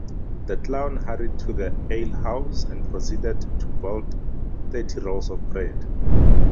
The clown hurried to the alehouse and proceeded to bolt thirty rolls of bread.